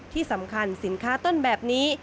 ที่สำคัญสินค้าต้นแบบนี้